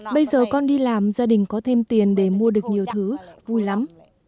bây giờ con đi làm gia đình có thêm tiền để mua được nhiều thứ vui lắm